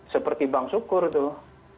seperti bang sukur tuh